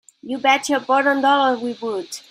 You bet your bottom dollar we would!